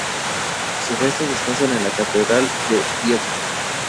Sus restos descansan en la Catedral de Viedma.